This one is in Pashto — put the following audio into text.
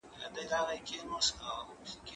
زه بايد خواړه ورکړم،